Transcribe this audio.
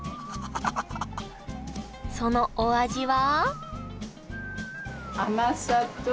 そのお味は？